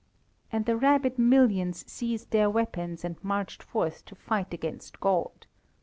And the rabid millions seized their weapons and marched forth to fight against God.